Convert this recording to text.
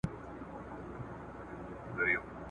د غلیم جنګ ته وروتلي تنها نه سمیږو ..